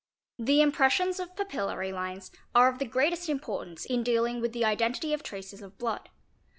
The impressions of papillary lines are of the greatest importance in dealing with the identity of traces of blood.